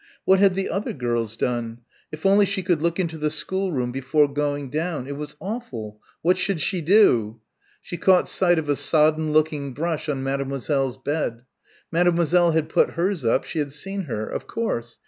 What had the other girls done? If only she could look into the schoolroom before going down it was awful what should she do?... She caught sight of a sodden looking brush on Mademoiselle's bed. Mademoiselle had put hers up she had seen her ... of course